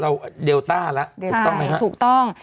เราเดลต้าแล้วถูกต้องไหมฮะใช่ถูกต้อง